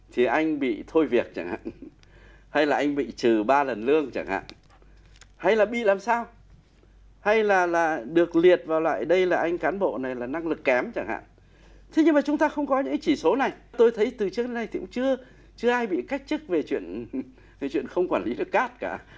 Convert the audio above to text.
tôi thấy từ trước đến nay thì cũng chưa ai bị cách chức về chuyện không quản lý được cát cả